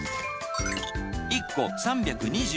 １個３２２円。